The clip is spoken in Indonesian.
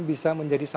bisa menjadi sejarah